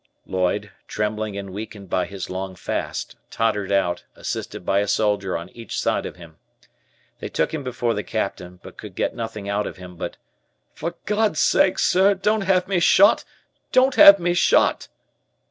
Lloyd, trembling and weakened by his long fast, tottered out, assisted by a soldier on each side of him. They took him before the Captain, but could get nothing out of him but: "For God's sake, sir, don't have me shot, don't have me shot!"